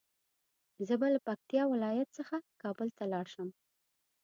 زه به له پکتيا ولايت څخه کابل ته لاړ شم